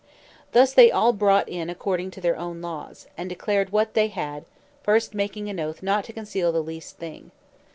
Thus they all brought in according to their laws, and declared what they had, first making oath not to conceal the least thing.